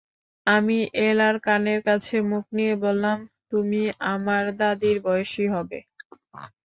আমি এলার কানের কাছে মুখ নিয়ে বললাম, তুমি আমার দাদির বয়সী হবে।